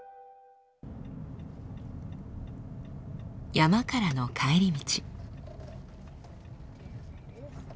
山からの帰り道。